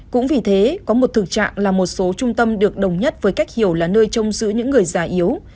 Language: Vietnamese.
cũng vì thế có một thực trạng là một số trung tâm được đồng nhất với cách hiểu là nơi trông giữ những người già yếu